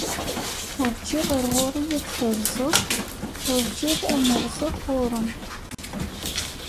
Urǧiɣ ar ɣur-i ad d-terrẓeḍ, turǧiḍ ad n-rrẓeɣ ɣur-m.